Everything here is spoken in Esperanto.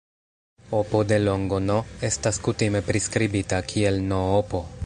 Opo de longo "n" estas kutime priskribita kiel "n"-opo.